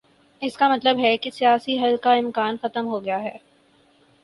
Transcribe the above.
اس کا مطلب ہے کہ سیاسی حل کا امکان ختم ہو گیا ہے۔